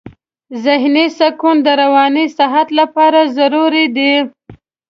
ذهني سکون د رواني صحت لپاره ضروري دی.